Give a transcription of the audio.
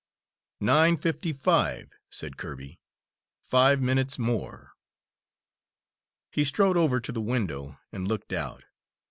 "Nine fifty five," said Kirby. "Five minutes more!" He strode over to the window and looked out.